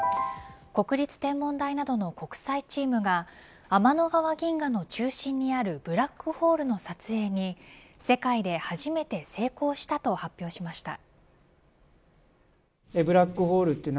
国立天文台などの国際チームが天の川銀河の中心にあるブラックホールの撮影に世界で初めて成功したと発表しました。